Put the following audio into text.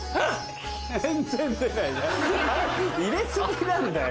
入れ過ぎなんだよ。